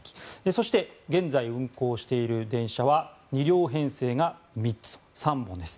そして現在、運行している電車は２両編成が３本です。